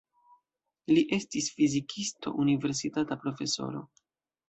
Li estas fizikisto, universitata profesoro.